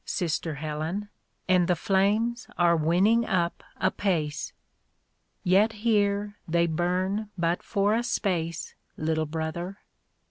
Sister Helen, And the flames are winning up apace I" Yet here they burn but for a space. Little brother